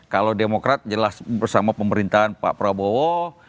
kalau demokrat jelas bersama pemerintahan pak prabowo